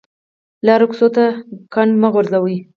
لارو کوڅو ته ګند مه غورځوئ